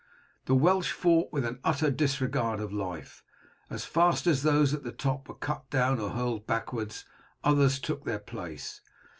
The Welsh fought with an utter disregard of life; as fast as those at the top were cut down or hurled backwards others took their place.